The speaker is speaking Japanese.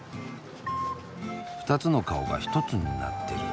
２つの顔が１つになってる。